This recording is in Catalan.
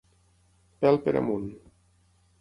Pèl per amunt.